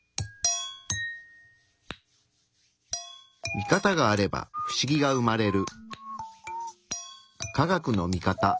見方があれば不思議が生まれる。